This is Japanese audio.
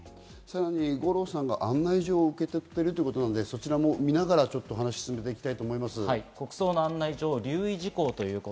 さらに五郎さんが案内状を受け取っているということなので見ながらお話を進めていきます。